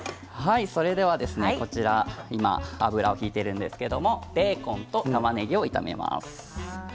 今、油を引いているんですけれどベーコンとたまねぎを炒めます。